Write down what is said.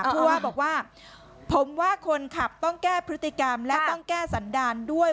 ผู้ว่าบอกว่าผมว่าคนขับต้องแก้พฤติกรรมและต้องแก้สันดารด้วย